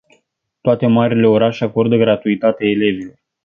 Toate marile orașe acordă gratuitate elevilor.